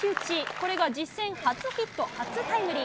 これが実戦初ヒット、初タイムリー。